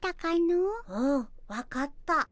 うん分かった。